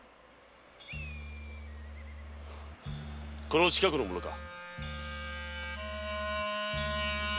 この近くの者か？